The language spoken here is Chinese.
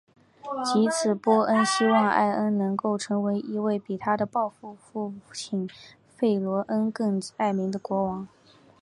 藉此波恩希望艾恩能成为一位比他的暴君父亲弗雷恩更爱民的国王。